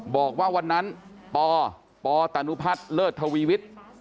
บอกว่าวันนั้นปปตนุพัฒน์เลิศทวีวิทย์